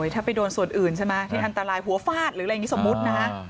ถ้าไปโดนส่วนอื่นใช่ไหมที่อันตรายหัวฟาดหรืออะไรอย่างนี้สมมุตินะฮะ